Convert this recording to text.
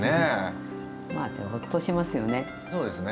まあほっとしますよね。